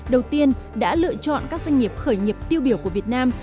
đầu tiên đã lựa chọn các doanh nghiệp khởi nghiệp tiêu biểu của việt nam